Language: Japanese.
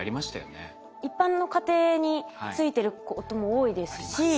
一般の家庭についてることも多いですし。